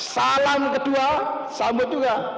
salam kedua sama juga